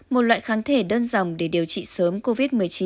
một loại kháng thể đơn dòng để điều trị sớm covid một mươi chín